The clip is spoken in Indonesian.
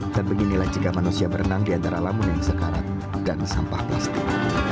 dan beginilah jika manusia berenang di antara lamun yang sekarat dan sampah plastik